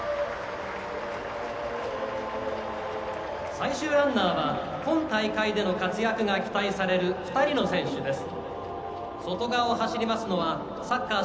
最終ランナーは今大会での活躍が期待される２人の選手です。